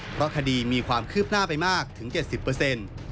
เพราะคดีมีความคืบหน้าไปมากถึง๗๐เปอร์เซ็นต์